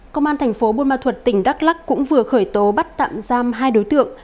công an thành phố buôn ma thuật tỉnh đắk lắc cũng vừa khởi tố bắt tạm giam hai đối tượng